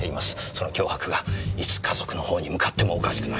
その脅迫がいつ家族の方に向かってもおかしくない。